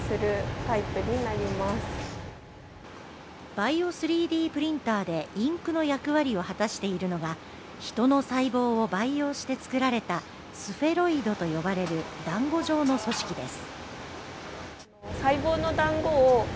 バイオ３Ｄプリンターでインクの役割を果しているのがヒトの細胞を培養して作られた、スフェロイドと呼ばれる団子状の組織です。